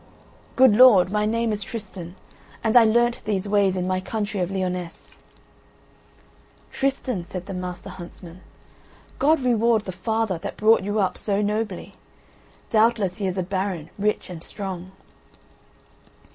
"Good lord, my name is Tristan, and I learnt these ways in my country of Lyonesse." "Tristan," said the Master Huntsman, "God reward the father that brought you up so nobly; doubtless he is a baron, rich and strong."